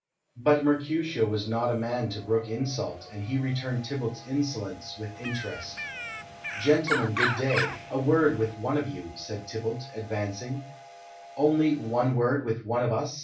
But Mercutio was not a man to brook insult, and he returned Tybalt's insolence with interest. "Gentlemen, good day; a word with one of you," said Tybalt, advancing. "Only one word with one of us?"